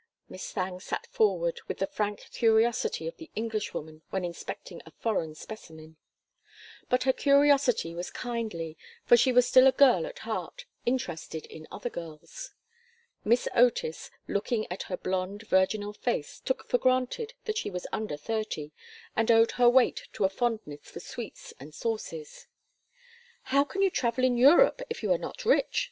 Miss Thangue sat forward with the frank curiosity of the Englishwoman when inspecting a foreign specimen. But her curiosity was kindly, for she was still a girl at heart, interested in other girls. Miss Otis, looking at her blond, virginal face, took for granted that she was under thirty, and owed her weight to a fondness for sweets and sauces. "How can you travel in Europe if you are not rich?"